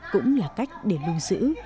cũng là cách để lưu giữ